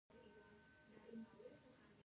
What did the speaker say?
چې په رښتیا وشوه.